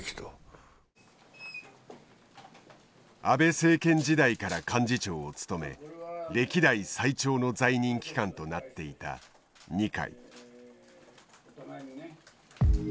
安倍政権時代から幹事長を務め歴代最長の在任期間となっていた二階。